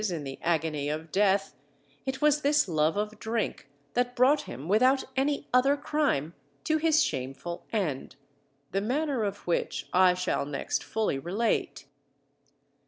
in the agony of death, it was this love of drink that brought him, without any other crime, to his shameful end. The manner of which, I shall next fully relate.